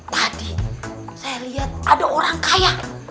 tadi saya lihat ada orang kaya